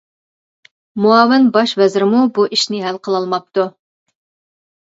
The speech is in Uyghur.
مۇئاۋىن باش ۋەزىرمۇ بۇ ئىشنى ھەل قىلالماپتۇ.